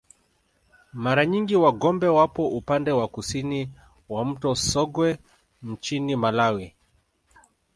Mara nyingi Wagonde wapo upande wa kusini wa mto Songwe nchini Malawi